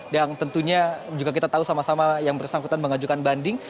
yang tentunya juga kita tahu sama sama yang bersangkutan mengajukan banding